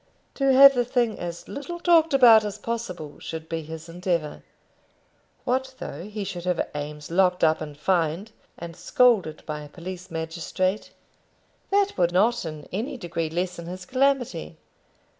To have the thing as little talked about as possible should be his endeavour. What though he should have Eames locked up and fined, and scolded by a police magistrate? That would not in any degree lessen his calamity.